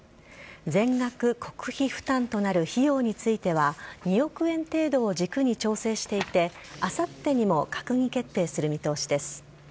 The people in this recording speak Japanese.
全額国費負担となる費用については２億円程度を軸に調整していてあさってにも閣議決定する見通しです。